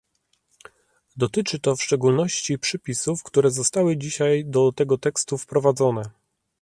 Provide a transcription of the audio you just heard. Dotyczy to w szczególności przypisów, które zostały dzisiaj do tego tekstu wprowadzone